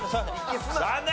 残念！